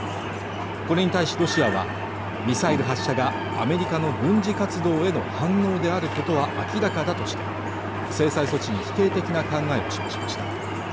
これに対しロシアはミサイル発射がアメリカの軍事活動への反応であることは明らかだとして制裁措置に否定的な考えを示しました